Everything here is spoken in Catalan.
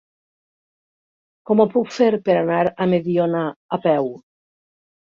Com ho puc fer per anar a Mediona a peu?